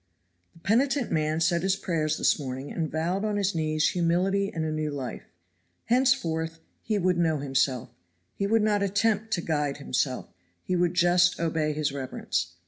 The penitent man said his prayers this morning and vowed on his knees humility and a new life. Henceforth he would know himself; he would not attempt to guide himself; he would just obey his reverence.